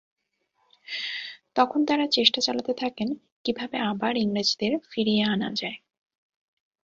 তখন তাঁরা চেষ্টা চালাতে থাকেন কীভাবে আবার ইংরেজদের ফিরিয়ে আনা যায়।